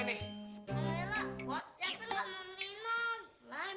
enggak mau minum